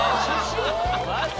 マジ？